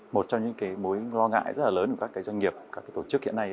một trong những cái mối lo ngại rất là lớn của các doanh nghiệp các tổ chức hiện nay